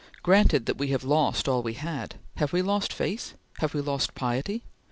"Granted that we have lost all we had! Have we lost faith? Have we lost piety?